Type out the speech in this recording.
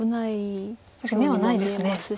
確かに眼はないですね。